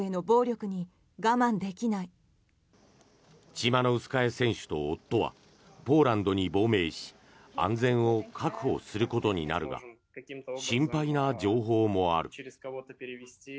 チマノウスカヤ選手と夫はポーランドに亡命し安全を確保することになるが心配な情報もある。